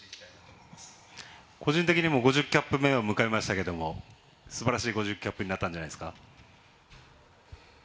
個人的にも５０キャップ目を迎えましたけれどもすばらしい５０キャップになったんじゃないですか。